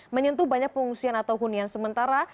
menyentuh banyak pengungsian atau hunian sementara